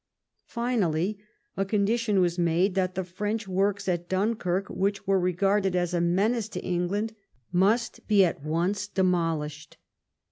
Finally, a con dition was made that the French works at Dunkirk, 358 WHAT THE WAR WAS COMING TO which were regarded as a menace to England, must be at once demolished.